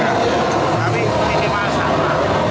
tapi ini masalah